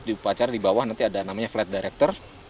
di upacara di bawah nanti ada namanya flight director